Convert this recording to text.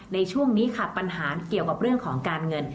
ในช่วงนี้ค่ะปัญหาเกี่ยวกับเรื่องของการเงิน